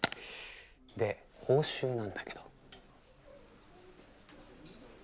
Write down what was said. で報酬なんだけど。